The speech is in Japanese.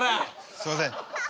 すいません。